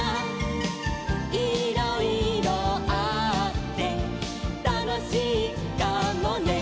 「いろいろあってたのしいかもね」